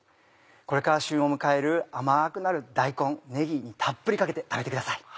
これから旬を迎える甘くなる大根ねぎにたっぷりかけて食べてください。